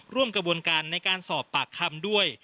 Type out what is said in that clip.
ร่วมกระบวนการในการสอบปากคำด้วย